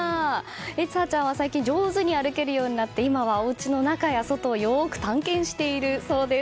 稜華ちゃんは最近上手に歩けるようになって今はおうちの中や外をよく探検しているそうです。